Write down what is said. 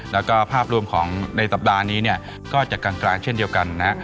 แล้วก็ภาพรวมของในสัปดาห์นี้เนี่ยก็จะกลางเช่นเดียวกันนะฮะ